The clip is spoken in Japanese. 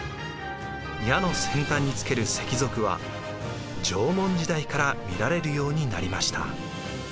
矢の先端につける石鏃は縄文時代から見られるようになりました。